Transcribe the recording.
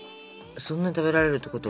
そんな食べられるってことは。